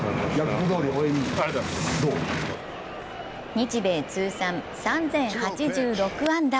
日米通算３０８６安打。